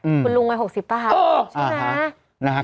คุณลุงมาย๖๐บาทใช่ไหมคะอ๋ออ๋อ